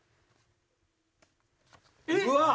うわっ！